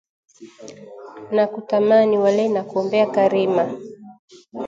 Nakutamani walahi, nakuombea Karima